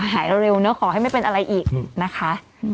หายเร็วเนอะขอให้ไม่เป็นอะไรอีกนะคะ